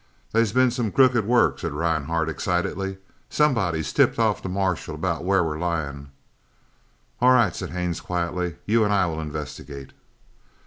"They's been some crooked work," said Rhinehart excitedly. "Somebody's tipped off the marshals about where we're lyin'." "All right," said Haines quietly, "you and I will investigate."